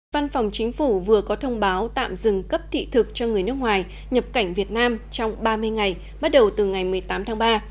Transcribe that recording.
văn phòng chính phủ vừa có thông báo tạm dừng cấp thị thực cho người nước ngoài nhập cảnh việt nam trong ba mươi ngày bắt đầu từ ngày một mươi tám tháng ba